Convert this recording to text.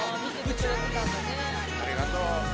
ありがとう。